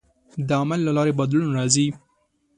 د عمل له لارې بدلون راځي.